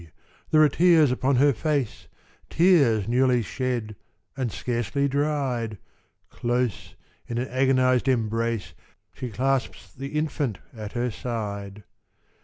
There are tears upon her face Tears newly shed, and scarcely dried: Close, in an agonised embrace, She clasps the infant at her side.